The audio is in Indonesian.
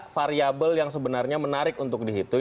variabel yang sebenarnya menarik untuk dihitung